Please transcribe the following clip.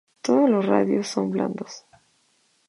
Todos los radios son blandos.